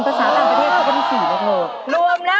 ภาษาต่างประเทศก็เป็น๔แล้วเถอะ